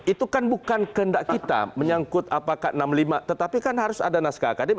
itu kan bukan kehendak kita menyangkut apakah enam puluh lima tetapi kan harus ada naskah akademi